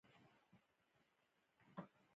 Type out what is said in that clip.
آزاد تجارت مهم دی ځکه چې تخمونه رسوي.